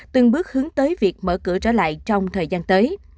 từng bước hướng tới việc mở cửa trở lại trong thời gian tới